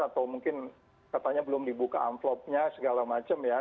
atau mungkin katanya belum dibuka envelope nya segala macem ya